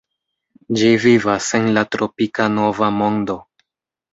Ĝi vivas en la tropika Nova Mondo.